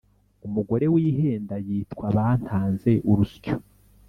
Umugore wihenda yitwa bantanze urusyo.